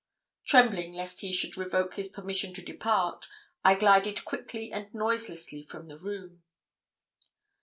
Trembling lest he should revoke his permission to depart, I glided quickly and noiselessly from the room.